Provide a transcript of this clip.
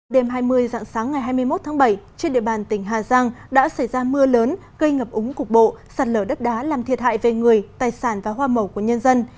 đêm hai mươi dạng sáng ngày hai mươi một tháng bảy trên địa bàn tỉnh hà giang đã xảy ra mưa lớn gây ngập úng cục bộ sạt lở đất đá làm thiệt hại về người tài sản và hoa màu của nhân dân